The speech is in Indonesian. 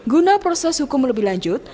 guna proses hukum lebih lanjut